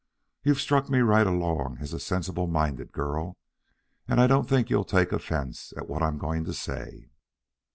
You've struck me right along as a sensible minded girl, and I don't think you'll take offence at what I'm going to say.